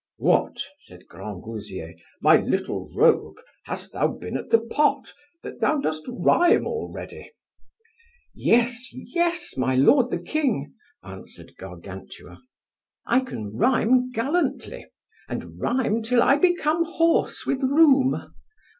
What, said Grangousier, my little rogue, hast thou been at the pot, that thou dost rhyme already? Yes, yes, my lord the king, answered Gargantua, I can rhyme gallantly, and rhyme till I become hoarse with rheum.